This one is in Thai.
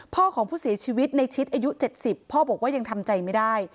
ของผู้เสียชีวิตในชิดอายุ๗๐พ่อบอกว่ายังทำใจไม่ได้